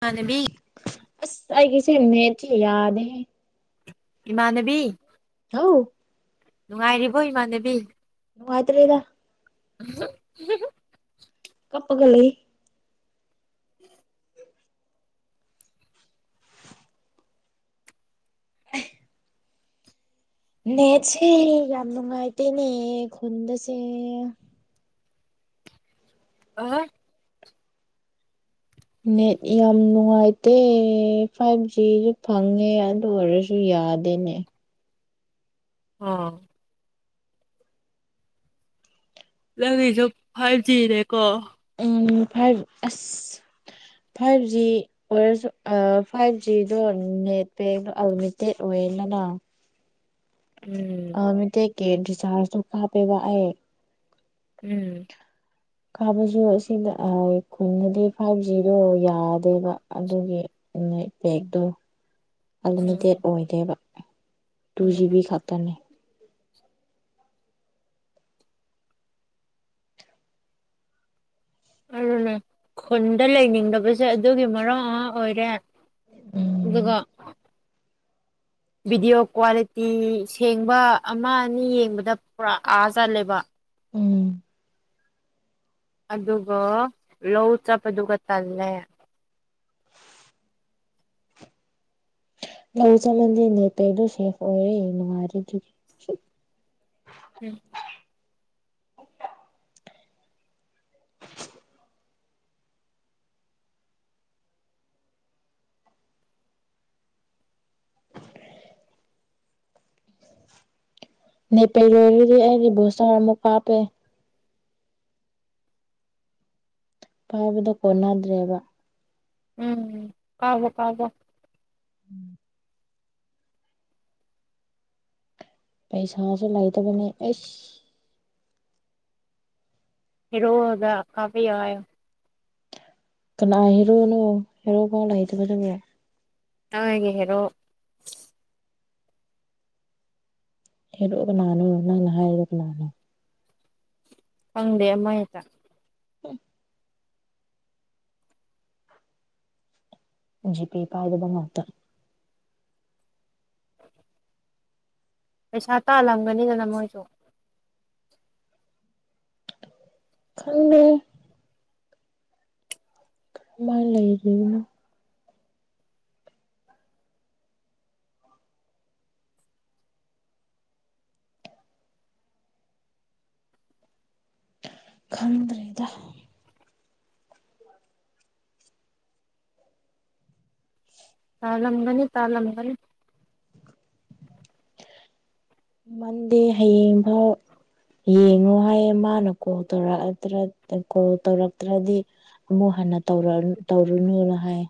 ꯏꯃꯥꯟꯅꯕꯤ ꯑꯁ ꯑꯩꯒꯤꯁ‌ꯦ ꯅ‌ꯦꯠꯁ‌ꯦ ꯌꯥꯗ‌ꯦꯍ‌ꯦ ꯏꯃꯥꯟꯅꯕꯤ ꯍꯥꯎ ꯅꯨꯡꯉꯥꯏꯔꯤꯕꯣ ꯏꯃꯥꯟꯅꯕꯤ ꯅꯨꯡꯉꯥꯏꯇꯔ‌ꯦꯗ [unintelligible] ꯀꯞꯄꯒ ꯂꯩ [inaudible] [unintelligible] ꯅꯦꯠꯁꯦ ꯌꯥꯝ ꯅꯨꯡꯉꯥꯏꯇꯦꯅꯦ ꯈꯨꯟꯗꯁꯦ [unintelligible] ꯅꯦꯠ ꯌꯥꯝ ꯅꯨꯡꯉꯥꯏꯇꯦ ꯐꯥꯏꯚ ꯖꯤꯁꯨ ꯐꯪꯉꯦ ꯑꯗꯨ ꯑꯣꯏꯔ ꯁꯨ ꯌꯥꯗꯦꯅꯦ ꯑꯣ ꯅꯪꯒꯤꯁꯨ ꯐꯥꯏꯚ ꯖꯤꯅꯦꯀꯣ ꯑꯝ ꯐꯥꯏꯚ ꯑꯁ ꯐꯥꯏꯚ ꯖꯤ ꯑꯣꯏꯔꯁꯨ ꯑ ꯐꯥꯏꯚ ꯖꯤꯗꯣ ꯅꯦꯠ ꯄꯦꯛꯗꯣ ꯑꯜꯃꯤꯇꯦꯠ ꯑꯣꯏꯌꯦꯅꯅ ꯎꯝ ꯑꯜꯃꯤꯇꯦꯛ ꯀꯤ ꯔꯤꯆꯥꯥꯔꯖꯇꯨ ꯀꯥꯞꯄꯦꯕ ꯑꯩ ꯎꯝ ꯀꯥꯕꯁꯨ ꯑꯁꯤꯗ ꯑ ꯈꯨꯟꯗꯗꯤ ꯐꯥꯏꯚ ꯖꯤꯗꯣ ꯌꯥꯗꯦꯕ ꯑꯗꯨꯒꯤ ꯅ‌ꯦꯠ ꯄꯦꯛꯇꯣ ꯎꯝ ꯑꯟꯂꯤꯃꯤꯇꯦꯠ ꯑꯣꯏꯗꯦꯕ ꯇꯨ ꯎꯝ ꯖꯤꯕꯤ ꯈꯛꯇꯅꯦ ꯑꯗꯨꯅ‌ꯦ ꯈꯨꯟꯗ ꯂꯩꯅꯤꯡꯗꯕꯁꯦ ꯑꯗꯨꯒꯤ ꯃꯔꯝ ꯑꯃ ꯑꯣꯏꯔꯦ ꯎꯝ ꯑꯗꯨꯒ ꯚꯤꯗꯤꯑꯣ ꯀ꯭ꯋꯥꯂꯤꯇꯤ ꯁꯦꯡꯕ ꯑꯃ ꯑꯅꯤ ꯌꯦꯡꯕꯗ ꯄꯨꯔꯥ ꯑꯥ ꯆꯜꯂꯦꯕ ꯎꯝ ꯑꯗꯨꯒ ꯂꯧ ꯆꯠꯄꯗꯨꯒ ꯇꯜꯂꯦ ꯂꯧ ꯆꯠꯂꯗꯤ ꯅꯦꯠ ꯄꯦꯛꯗꯣ ꯁꯦꯐ ꯑꯣꯏꯌꯦ ꯅꯨꯡꯉꯥꯏꯔꯦ ꯑꯗꯨꯒꯤ ꯎꯝ ꯅ‌ꯦꯠ ꯄꯦꯛ ꯂꯣꯏꯔꯗꯤ ꯑꯩꯗꯤ ꯕꯨꯁꯇ‌꯭ꯔ ꯑꯃꯨꯛ ꯀꯥꯞꯄ‌ꯦ ꯄꯥꯏꯕꯗꯣ ꯀꯣꯟꯅꯗ꯭ꯔꯦꯕ ꯎꯝ ꯀꯥꯞꯕꯣ ꯀꯥꯞꯕꯣ ꯎꯝ ꯄꯩꯁꯥꯁꯨ ꯂꯩꯇꯕꯅꯦ ꯑꯩꯁ ꯍꯤꯔꯣꯗ ꯀꯄꯄꯤꯌꯨ ꯍꯥꯏꯌꯨ ꯀꯅꯥꯏ ꯍꯦꯔꯣꯅꯣ ꯍꯦꯔꯣ ꯐꯥꯎ ꯂꯩꯇꯕꯗꯨꯅꯦ ꯅꯣꯏꯒꯤ ꯍ‌ꯦꯔꯣ ꯍꯦꯔꯣ ꯀꯅꯥꯅꯣ ꯅꯪꯅ ꯍꯥꯏꯔꯤꯗꯣ ꯀꯅꯥꯅꯣ ꯈꯪꯗꯦ ꯑꯃꯥ ꯍ‌ꯦꯇꯥ [unintelligible] ꯖꯤ ꯄꯦ ꯄꯥꯏꯗꯕ ꯉꯥꯛꯇ ꯄꯩꯁꯥ ꯇꯥꯜꯂꯝꯒꯅꯤꯗꯅ ꯃꯣꯏꯁꯨ ꯈꯪꯗ‌ꯦ ꯃꯥꯥꯏ ꯂꯩꯕꯅꯤꯅ ꯈꯪꯗ꯭ꯔꯦꯗ ꯇꯥꯜꯂꯝꯒꯅꯤ ꯇꯥꯜꯂꯝꯒꯅꯤ ꯃꯟꯗꯦ ꯍꯌꯦꯡꯐꯥꯎ ꯌꯦꯡꯉꯣ ꯍꯥꯏꯌꯦ ꯃꯥꯅ ꯀꯣꯜ ꯇꯧꯔ ꯀꯣꯜ ꯇꯧꯔꯛꯇ꯭ꯔꯗꯤ ꯑꯃꯨꯛ ꯍꯟꯅ ꯇꯧꯔ ꯇꯧꯔꯨꯅꯨꯅ ꯍꯥꯏ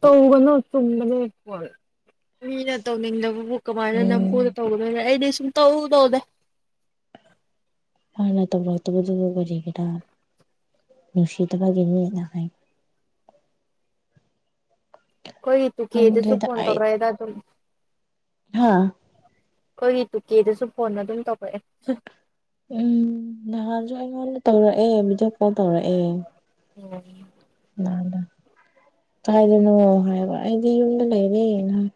ꯇꯧꯒꯅꯣ ꯆꯨꯝꯕꯅꯦ ꯀꯣꯜ ꯃꯤꯅ ꯇꯧꯅꯤꯡꯗꯕꯕꯨ ꯀꯃꯥꯏꯅ ꯅꯝꯐꯨ ꯎꯝ ꯇꯧꯗꯣꯏꯅꯣ ꯑꯩꯗꯤ ꯁꯨꯡ ꯇꯧ ꯇꯧꯗꯦ ꯐꯅ ꯇꯧꯔꯛꯇꯕꯗꯨ ꯀꯔꯤꯒꯤꯔ ꯅꯨꯡꯁꯤꯗꯕꯒꯤ ꯃꯤꯅ ꯍꯥꯏ ꯑꯩꯈꯣꯏꯒꯤ ꯇꯨꯀꯦꯗꯁꯨ ꯈꯪꯗ꯭ꯔꯦꯗ ꯐꯣꯟ ꯇꯧꯔꯛꯑꯦꯗ ꯑꯗꯨꯝ ꯍꯥꯥ ꯑꯩꯈꯣꯏꯒꯤ ꯇꯨꯀꯦꯗꯁꯨ ꯐꯣꯟ ꯑꯗꯨꯝ ꯇꯧꯔꯛꯑꯦ ꯎꯝ ꯅꯍꯥꯟꯁꯨ ꯑꯩꯉꯣꯟꯗ ꯇꯧꯔꯛꯑꯦ ꯚꯤꯗꯤꯑꯣ ꯀꯣꯜ ꯇꯧꯔꯛꯑꯦ ꯑꯣ [unintelligible] ꯀꯥꯏꯗꯅꯣ ꯍꯥꯏꯕ ꯑꯩꯗꯤ ꯌꯨꯝꯗ ꯂꯩꯔꯦꯅ ꯍꯥꯏꯕ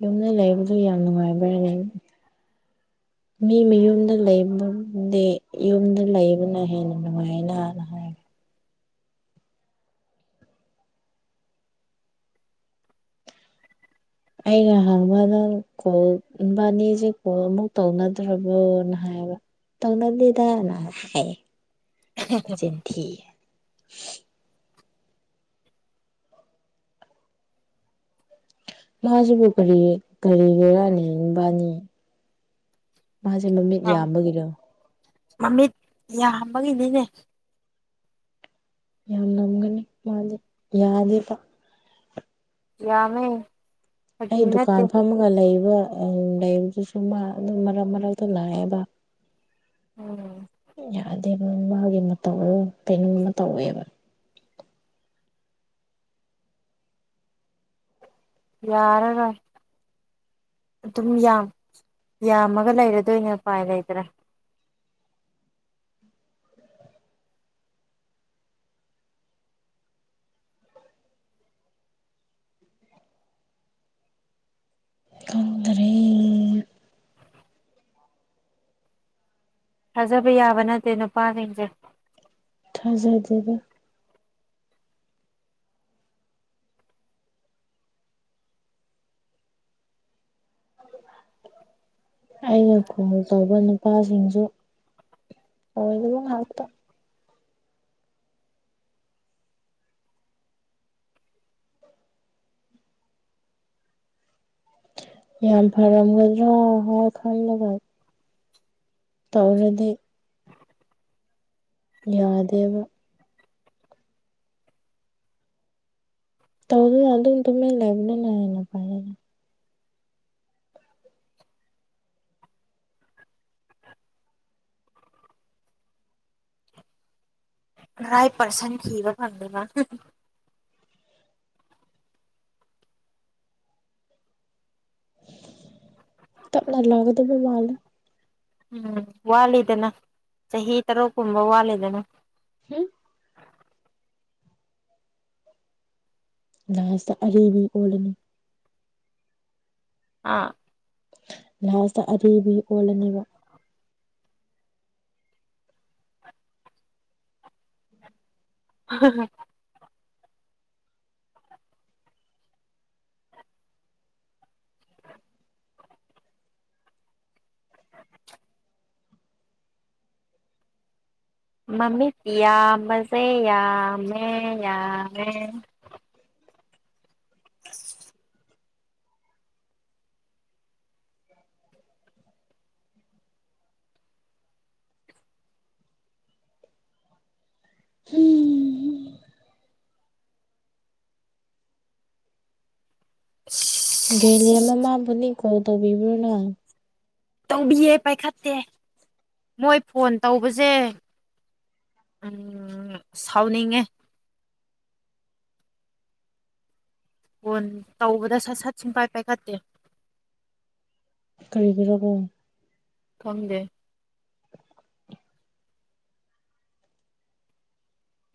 ꯌꯨꯝꯗ ꯂꯩꯕꯗꯨ ꯌꯥꯝ ꯅꯨꯡꯉꯥꯏꯕ꯭ꯔꯅꯦ ꯃꯤ ꯃꯌꯨꯝꯗ ꯂꯩꯕꯕꯨꯗꯤ ꯌꯨꯝꯗ ꯂꯩꯕꯅ ꯍꯦꯟꯅ ꯅꯨꯡꯉꯥꯏꯅ ꯍꯥꯏꯕ ꯑꯩꯅ ꯍꯪꯕ ꯅꯪ ꯀꯣꯜ ꯏꯕꯥꯅꯤꯁꯦ ꯀꯣꯜ ꯑꯃꯨꯛ ꯇꯧꯅꯗ꯭ꯔꯕꯣꯅ ꯍꯥꯏꯕ ꯇꯧꯅꯗꯦꯗꯅ ꯍꯥꯏꯌꯦ ꯃꯆꯤꯟ ꯊꯤꯌꯦ ꯃꯥꯁꯤꯕꯨ ꯀꯔꯤ ꯀꯔꯤ [unintelligible] ꯃꯥꯁꯦ ꯃꯃꯤꯠ ꯑꯥ ꯌꯥꯝꯕꯒꯤꯔꯣ ꯃꯃꯤꯠ ꯌꯥꯝꯕꯒꯤꯅꯤꯅꯦ ꯌꯥꯝ ꯃꯝꯒꯅꯤ ꯃꯥꯗꯤ ꯌꯥꯗꯦ ꯕ ꯌꯥꯝꯃꯦ ꯑꯩ ꯐꯥꯒꯤ ꯅꯠꯇꯦ ꯗꯨꯀꯥꯟ ꯐꯝꯃꯒ ꯂꯩꯕ ꯑ ꯂꯩꯕꯗꯨꯁꯨ ꯃꯥ ꯑꯗꯨꯝ ꯃꯔꯛ ꯃꯔꯛꯇ ꯂꯥꯛꯑꯦꯕ ꯎꯝ ꯌꯥꯗꯦꯕ ꯃꯥꯒꯤ ꯃꯇꯧꯗꯣ ꯀꯩꯅꯣꯝ ꯑꯃ ꯇꯧꯋꯦꯕ ꯌꯥꯔꯔꯣꯏ ꯑꯗꯨꯝ ꯌꯥꯝ ꯌꯥꯝꯃꯒ ꯂꯩꯔꯗꯣꯏꯅꯦ ꯎꯄꯥꯏ ꯂꯩꯇꯔꯦ ꯈꯪꯗꯔꯦ ꯊꯥꯖꯕ ꯌꯥꯕ ꯅꯠꯇꯦ ꯅꯨꯄꯥꯁꯤꯡꯁꯦ ꯊꯥꯖꯗꯦꯗ ꯑꯩꯅ ꯀꯣꯜ ꯇꯧꯕ ꯅꯨꯄꯥꯁꯤꯡꯁꯨ ꯑꯣꯏꯗꯕ ꯉꯥꯛꯇ ꯌꯥꯝ ꯐꯔꯝꯒꯗ꯭ꯔ ꯍꯥꯏꯅ ꯈꯜꯂꯒ ꯇꯧꯔꯗꯤ ꯌꯥꯗꯦꯕ ꯇꯧꯗꯅ ꯑꯗꯨꯝ ꯇꯨꯃꯤꯟ ꯂꯩꯕꯗꯨꯅ ꯍꯦꯟꯅ ꯐꯔꯦꯗ ꯔꯥꯏꯠ ꯄꯔꯁꯟ ꯊꯤꯕ ꯐꯪꯗꯦꯕ ꯇꯞꯅ ꯂꯥꯛꯒꯗꯕ ꯃꯥꯜꯂꯦ ꯎꯝ ꯋꯥꯠꯂꯤꯗꯅ ꯆꯍꯤ ꯇꯔꯨꯛꯀꯨꯝꯕ ꯋꯥꯠꯂꯤꯗꯅ ꯍꯝ ꯂꯥꯁꯇ ꯑꯔꯤꯕꯤ ꯑꯣꯜꯂꯅꯤ ꯑꯥ ꯂꯥꯁꯇ ꯑꯔꯤꯕꯤ ꯑꯣꯜꯂꯅꯦꯕ [unintelligible] ꯃꯃꯤꯠ ꯌꯥꯝꯕꯖꯦ ꯌꯥꯝꯃꯦ ꯌꯥꯝꯃꯦ [inaudible] ꯍꯨꯝ [inaudible] ꯒꯦꯂꯤꯌ ꯃꯃꯥꯕꯨꯗꯤ ꯀꯣꯜ ꯇꯧꯕꯤꯕ꯭ꯔꯣ ꯅꯪ ꯇꯧꯕꯤꯌꯦ ꯄꯥꯏꯈꯠꯇꯦ ꯃꯣꯏ ꯐꯣꯟ ꯇꯧꯕꯖꯦ ꯎꯝ ꯁꯥꯎꯅꯤꯡꯉꯦ ꯀꯣꯟ ꯇꯧꯕꯗ ꯁꯠ ꯁꯠ ꯁꯨꯡꯄꯥꯏ ꯄꯥꯏꯈꯠꯇꯦ ꯀꯔꯤꯒꯤꯔꯕꯣ ꯈꯪꯗꯦ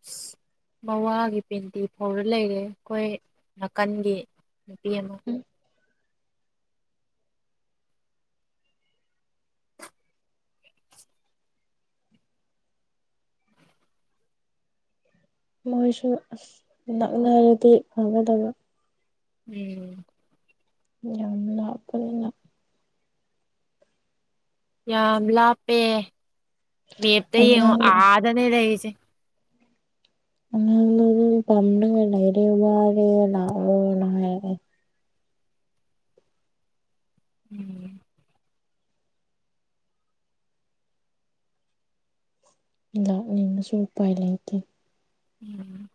ꯑꯁ ꯃꯋꯥꯒꯤ ꯄꯦꯟꯇꯤ ꯐꯥꯎꯔ ꯂꯩꯔꯦ ꯈꯣꯏ ꯅꯀꯟꯒꯤ ꯅꯨꯄꯤ ꯑꯃꯨꯛ ꯎꯝ ꯃꯣꯏꯁꯨ ꯑꯁ ꯅꯛꯅꯔꯗꯤ ꯐꯒꯗꯕ ꯎꯝ ꯌꯥꯝ ꯂꯥꯞꯄꯅꯤꯅ ꯌꯥꯝ ꯂꯥꯞꯄꯦ ꯃꯦꯞꯇ ꯌꯦꯡꯉꯣ ꯑꯉꯥꯡ ꯑꯥꯗꯅꯦ ꯂꯩꯁꯦ ꯑꯉꯥꯡ ꯂꯧꯕꯨ ꯄꯝꯂꯒ ꯂꯩꯔꯦ ꯋꯥꯔꯦ ꯂꯥꯛꯑꯣꯅ ꯍꯥꯏꯔꯑꯦ [inaudible] ꯂꯥꯛꯅꯤꯡꯉꯁꯨ ꯎꯄꯥꯏ ꯂꯩꯇꯦ [inaudible]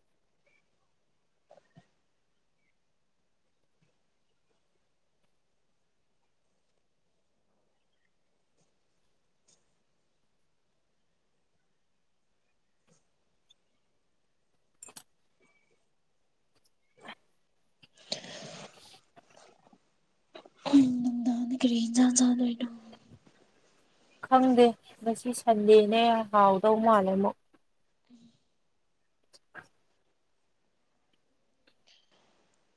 [inaudible] ꯀꯔꯤ ꯍꯤꯖꯥꯥꯡ ꯆꯗꯣꯏꯅꯣ ꯈꯪꯗꯦ ꯉꯁꯤ ꯁꯟꯗꯦꯅꯦ ꯍꯥꯎꯗꯧ ꯃꯥꯜꯂꯦ ꯃꯨꯛ [inaudible]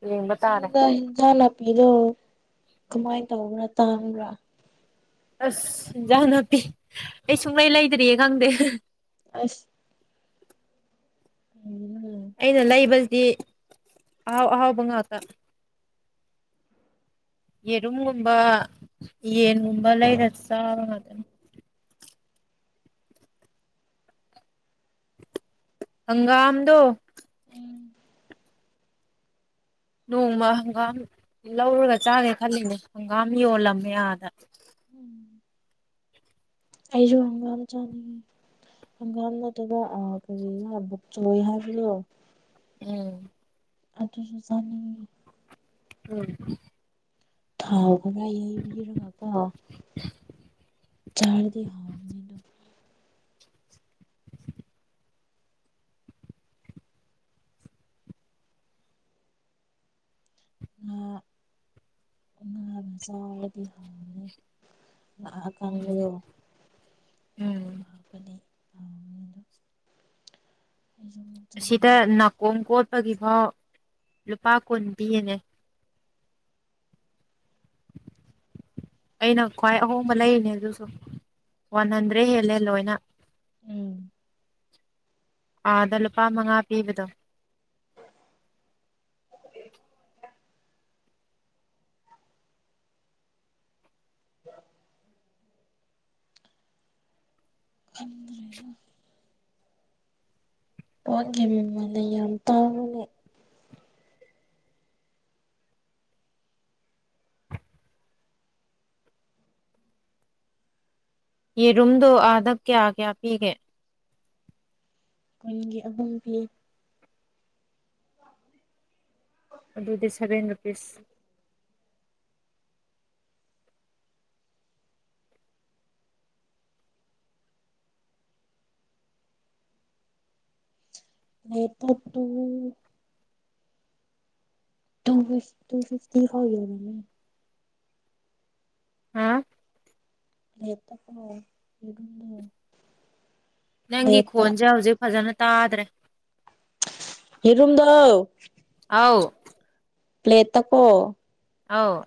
ꯌꯦꯡꯕ ꯇꯥꯔꯦ ꯑꯗꯨꯗ ꯏꯟꯖꯥꯜ ꯂꯥꯄꯤꯗꯣ ꯀꯃꯥꯏꯟ ꯇꯧꯕ꯭ꯔꯥ ꯇꯥꯡꯕ꯭ꯔꯥ ꯑꯁ ꯏꯟꯖꯥꯡ ꯅꯥꯄꯤ ꯑꯩ ꯁꯨꯡꯂꯩ ꯂꯩꯗ꯭ꯔꯤꯌꯦ ꯈꯪꯗꯦ ꯑꯁ ꯎꯝ ꯎꯝ ꯑꯩꯅ ꯂꯩꯕꯖꯤꯗꯤ ꯑꯍꯥꯎ ꯑꯍꯥꯎꯕ ꯉꯥꯛꯇ ꯌꯦꯔꯨꯝꯒꯨꯝꯕ ꯌꯦꯟꯒꯨꯝꯕ ꯂꯩꯔ ꯆꯥꯕ ꯉꯥꯛꯇ ꯍꯪꯒꯥꯝꯗꯣ [inaudible] ꯅꯣꯡꯃ ꯍꯪꯒꯥꯝ ꯂꯧꯔꯒ ꯆꯥꯒꯦ ꯈꯜꯂꯤꯅꯦ ꯍꯪꯒꯥꯝ ꯌꯣꯜꯂꯝꯃꯦ ꯑꯥꯗ ꯎꯝ ꯑꯩꯖꯨ ꯍꯪꯒꯥꯝ ꯆꯥꯅꯤꯡꯉꯦ ꯍꯪꯒꯥꯝ ꯅꯠꯇꯕꯥ ꯑ ꯀꯔꯤꯔ ꯕꯨꯛ ꯆꯣꯏ ꯍꯥꯏꯕꯂꯣ ꯎꯝ ꯑꯗꯨꯖꯨ ꯆꯥꯅꯤꯡꯉꯤ ꯎꯝ ꯊꯥꯎ ꯈꯔ ꯌꯩꯕꯤꯔꯒꯀꯣ ꯆꯥꯔꯗꯤ ꯍꯥꯎꯅꯤꯗꯣ ꯉꯥ ꯉꯥ ꯖꯥꯔꯗꯤ ꯍꯥꯎꯅꯤ ꯑꯥ ꯑꯀꯪꯕꯗꯣ ꯎꯝ ꯑꯗꯨꯒ ꯍꯥꯞꯄꯗꯤ ꯍꯥꯎꯒꯅꯤꯗꯨ ꯑꯁꯤꯗ ꯆꯥꯅꯤꯡꯉꯛꯑꯦ ꯅꯥꯀꯣꯡ ꯀꯣꯠꯄꯒꯤꯐꯥꯎ ꯂꯨꯄꯥ ꯀꯨꯟ ꯄꯤꯌꯦꯅꯦ ꯑꯩꯅ ꯈ꯭ꯋꯥꯏ ꯑꯍꯣꯡꯕ ꯂꯩꯔꯤꯅꯦ ꯑꯗꯨꯁꯨ ꯋꯥꯟ ꯍꯟꯗ꯭ꯔꯦꯠ ꯍꯦꯜꯂꯦ ꯂꯣꯏꯅ ꯎꯝ ꯑꯥꯗ ꯂꯨꯄꯥ ꯃꯉꯥ ꯄꯤꯕꯗꯣ [inaudible] ꯈꯪꯗ꯭ꯔꯦꯗ ꯄꯣꯠꯀꯤ ꯃꯃꯟꯅ ꯌꯥꯝ ꯇꯥꯡꯉꯤꯅꯦ ꯌꯦꯔꯨꯝꯗꯣ ꯑꯥꯗ ꯀꯌꯥ ꯀꯌꯥ ꯄꯤꯒꯦ ꯀꯨꯟꯒꯤ ꯑꯍꯨꯝ ꯄꯤ ꯑꯗꯨꯗꯤ seven rupees [unintelligible] ꯇꯥꯛꯄꯗꯨꯕꯨ two [unintelligible] two fifty ꯍꯧꯔꯤꯕꯅꯤ ꯍꯥ ꯅꯦꯠ ꯇꯞꯄꯥ [unintelligible] ꯌꯦꯔꯨꯝꯅꯦ ꯅꯪꯒꯤ ꯈꯣꯟꯖꯦ ꯍꯧꯖꯤꯛ ꯐꯖꯅ ꯇꯥꯗ꯭ꯔꯦ ꯌꯦꯔꯨꯝꯗꯣ ꯑꯧ ꯄ꯭ꯂꯦꯠꯇꯀꯣ ꯑꯧ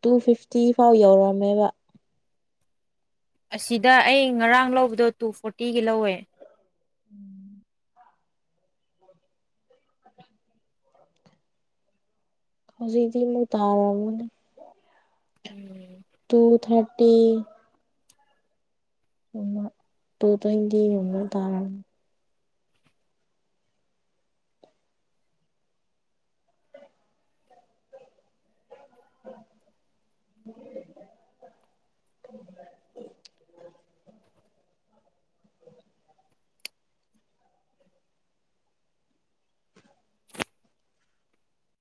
ꯇꯨ ꯐꯤꯐꯇꯤ ꯐꯥꯎ ꯌꯧꯔꯝꯃꯦꯕ ꯑꯁꯤꯗ ꯑꯩ ꯉꯔꯥꯡ ꯂꯧꯕꯗꯣ ꯇꯨ ꯐꯣꯔꯇꯤꯒꯤ ꯂꯧꯋꯦ [inaudible] ꯍꯧꯖꯤꯛꯇꯤ ꯌꯨꯝꯗ ꯇꯥꯔꯝꯒꯅꯤ ꯎꯝ ꯇꯨ ꯊꯥꯔꯇꯤ [unintelligible] ꯇꯨ ꯎꯝ ꯇ꯭ꯋꯦꯟꯇꯤꯒꯨꯝꯕ ꯇꯥꯔꯝ [unintelligible] [unintelligible]